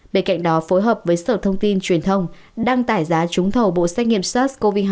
bên cạnh đó phối hợp với sở thông tin truyền thông đăng tải giá trúng thầu bộ xét nghiệm sars cov hai